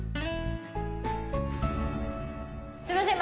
すいません